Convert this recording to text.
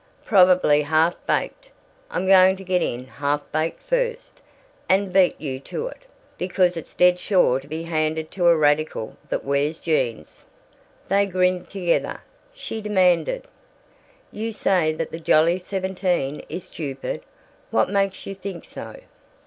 Probably half baked. I'm going to get in 'half baked' first, and beat you to it, because it's dead sure to be handed to a radical that wears jeans!" They grinned together. She demanded: "You say that the Jolly Seventeen is stupid. What makes you think so?"